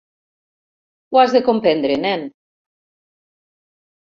Ho has de comprendre, nen.